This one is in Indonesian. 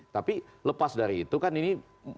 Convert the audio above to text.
tapi lepas dari itu kan ini